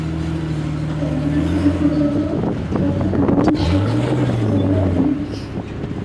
Al suroeste se encuentra el cráter Cavendish, y al sur-sureste se halla Liebig.